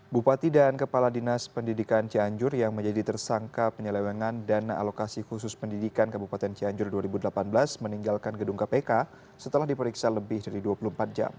bupati dan kepala dinas pendidikan cianjur yang menjadi tersangka penyelewengan dana alokasi khusus pendidikan kabupaten cianjur dua ribu delapan belas meninggalkan gedung kpk setelah diperiksa lebih dari dua puluh empat jam